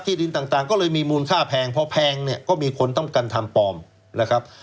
ดินต่างก็เลยมีมูลค่าแพงพอแพงเนี่ยก็มีคนต้องการทำปลอมนะครับ